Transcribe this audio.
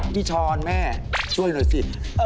ช้อนแม่ช่วยหน่อยสิ